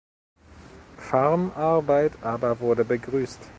Farmarbeit aber wurde begrüßt.